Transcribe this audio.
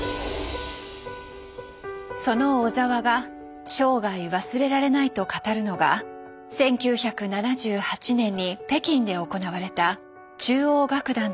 その小澤が「生涯忘れられない」と語るのが１９７８年に北京で行われた中央楽団とのコンサートです。